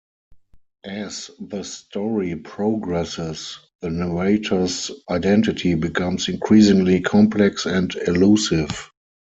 As the story progresses, the narrator's identity becomes increasingly complex and elusive.